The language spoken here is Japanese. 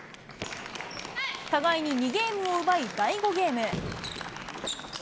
互いに２ゲームを奪い、第５ゲーム。